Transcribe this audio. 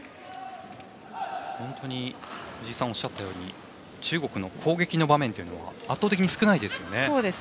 本当に藤井さんがおっしゃったように中国の攻撃の場面が圧倒的に少ないですよね。